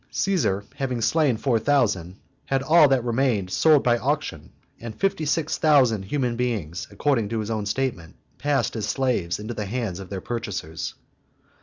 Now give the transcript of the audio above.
Caesar, having slain four thousand, had all that remained sold by auction; and fifty six thousand human beings, according to his own statement, passed as slaves into the hands of their purchasers.